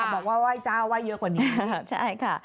บอกว่าไหว้เจ้าไหว้เยอะกว่านี้ใช่ค่ะ